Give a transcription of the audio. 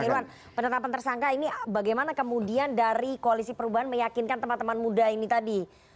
pak irwan penetapan tersangka ini bagaimana kemudian dari koalisi perubahan meyakinkan teman teman muda ini tadi